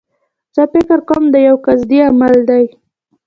زه فکر کوم دایو قصدي عمل دی.